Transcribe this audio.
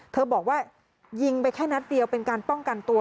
บอกว่ายิงไปแค่นัดเดียวเป็นการป้องกันตัว